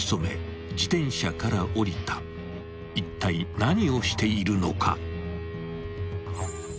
［いったい何をしているのか？］